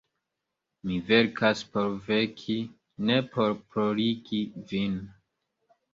Mi verkas por veki, ne por plorigi vin.